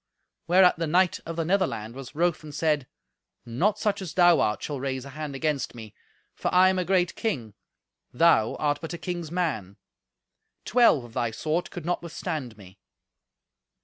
Whereat the knight of the Netherland was wroth and said, "Not such as thou art shall raise a hand against me, for I am a great king; thou art but a king's man. Twelve of thy sort could not withstand me."